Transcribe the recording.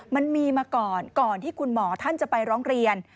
มันมีมาก่อนก่อนที่คุณหมอท่านจะไปร้องเรียน